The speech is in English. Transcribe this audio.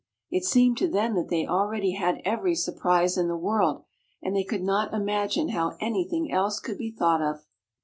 It seemed to them that they already had every surprise in the world, and they could not imagine how anything else could be thought of.